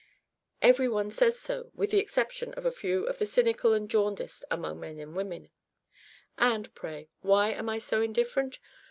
Every one says so, with the exception of a few of the cynical and jaundiced among men and women. And, pray, why am I so indifferent?